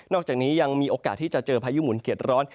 อกจากนี้ยังมีโอกาสที่จะเจอพายุหมุนเขียดร้อน